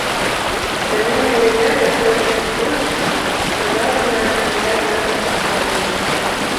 Даменнае імя, якое рэгіструецца, абавязанае адпавядаць назве кампаніі.